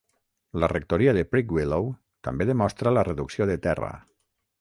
La rectoria de Prickwillow també demostra la reducció de terra.